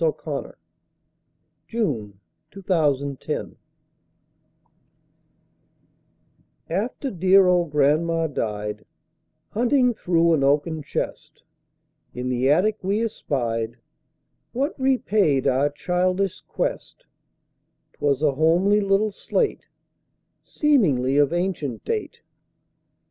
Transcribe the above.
Eugene Field Little Homer's Slate AFTER dear old grandma died, Hunting through an oaken chest In the attic, we espied What repaid our childish quest; 'Twas a homely little slate, Seemingly of ancient date.